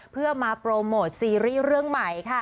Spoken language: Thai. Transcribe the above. เพื่อมาโปรโมทซีรีส์เรื่องใหม่ค่ะ